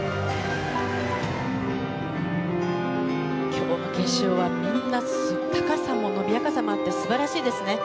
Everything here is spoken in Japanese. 今日の決勝は、みんな高さも伸びやかさもあって素晴らしいですね。